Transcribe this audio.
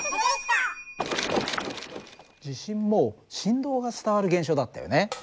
地震も振動が伝わる現象だったよね。